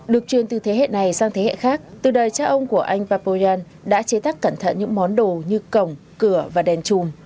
được truyền từ thế hệ này sang thế hệ khác từ đời cha ông của anh papoyan đã chế tác cẩn thận những món đồ như cổng cửa và đèn chùm